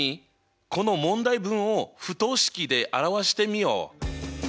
この問題文を不等式で表してみよう。